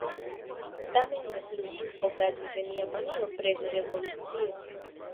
Tamen ne plu: okazis en Japanio prezrevolucio.